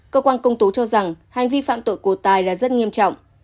cơ quan công tố cho rằng hành vi phạm tội của tài là rất nghiêm trọng